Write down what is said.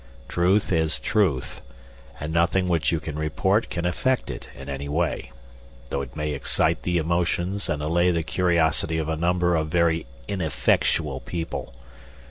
Truth is truth, and nothing which you can report can affect it in any way, though it may excite the emotions and allay the curiosity of a number of very ineffectual people.